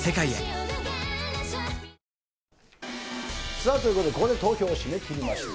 さあ、ということでここで投票を締め切りました。